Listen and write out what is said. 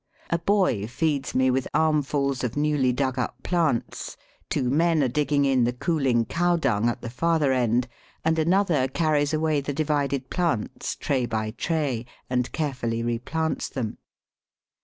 A boy feeds me with armfuls of newly dug up plants, two men are digging in the cooling cow dung at the farther end, and another carries away the divided plants tray by tray, and carefully replants them.